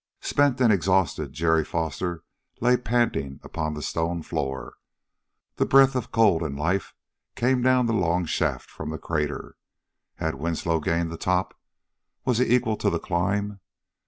Spent and exhausted, Jerry Foster lay panting upon the stone floor. The breath of cold and life came down the long shaft from the crater. Had Winslow gained the top? Was he equal to the climb?